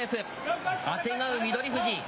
あてがう翠富士。